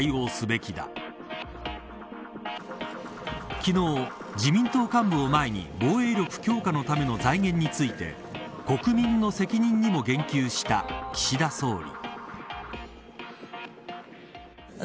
昨日、自民党幹部を前に防衛力強化のための財源について国民の責任にも言及した岸田総理。